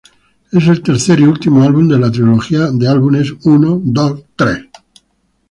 Es el tercer y último álbum de la trilogía de álbumes "¡Uno!, ¡Dos!